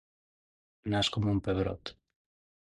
Nas com un pebrot.